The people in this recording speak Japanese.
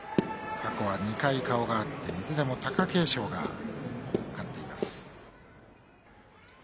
過去は２回、顔があって、いずれも貴景勝が勝っています。